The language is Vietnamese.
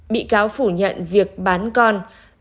bị cáo phủ nhận việc bán con